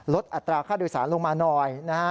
อัตราค่าโดยสารลงมาหน่อยนะฮะ